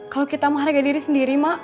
kalau kita menghargai diri sendiri mak